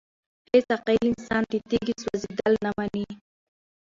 هيڅ عاقل انسان د تيږي سوزيدل نه مني!!